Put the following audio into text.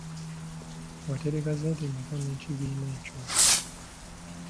Watereka ssente mmeka n'ekibiina ekyo?